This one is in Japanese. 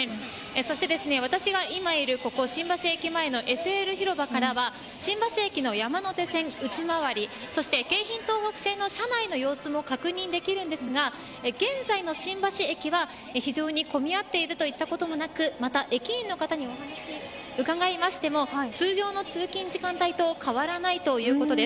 そして私が今いるここ新橋駅前のＳＬ広場からは新橋駅の山手線内回りそして、京浜東北線の車内の様子も確認できるんですが現在の新橋駅は、非常に混み合っているといったこともなくまた駅員の方にお話を伺いましても通常の通勤時間帯と変わらないということです。